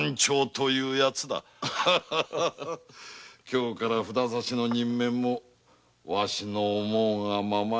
今日からは札差の任免もわしの思うがままよ。